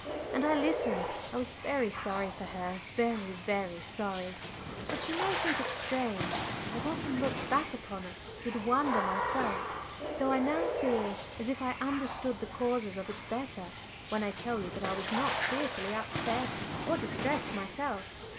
And I listened. I was very sorry for her, very very sorry. But you may think it strange I have often looked back upon it with wonder myself, though I now feel as if I understood the causes of it better when I tell you that I was not fearfully upset or distressed myself.